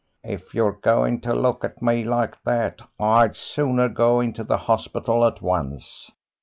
"If you're going to look at me like that I'd sooner go into the hospital at once.